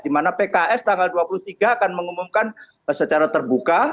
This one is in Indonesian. dimana pks tanggal dua puluh tiga akan mengumumkan secara terbuka